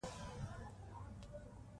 ځمکنی شکل د افغانستان د انرژۍ سکتور برخه ده.